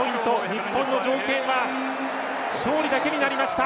日本の条件は勝利だけになりました。